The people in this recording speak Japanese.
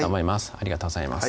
ありがとうございます